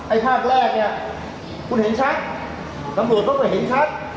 ไอ้ภาคแรกเนี่ยคุณเห็นชัดตำลึงต้องเป็นเห็นชัด